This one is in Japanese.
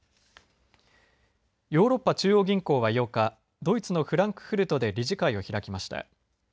ヨーロッパ中央銀行は８日ドイツのフランクフルトで理事会を開きました。